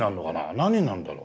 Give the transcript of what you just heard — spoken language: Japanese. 何になるんだろう？